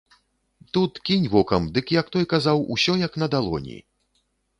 Тут кінь вокам, дык, як той казаў, усё як на далоні!